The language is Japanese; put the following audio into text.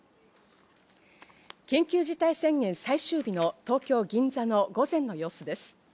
緊急事態宣言最終日の東京・銀座の午前の様子です。